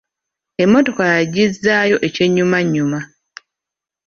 Emmotoka yagizzaayo eky'ennyumannyuma.